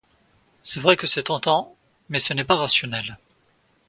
C'est vrai que c'est tentant, mais ce n'est pas rationnel.